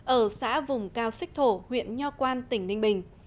ở xã vùng cao xích thổ huyện nho quan tỉnh ninh bình